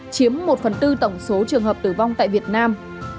chiếm một phần tư tổng số trường hợp tử vong tại việt nam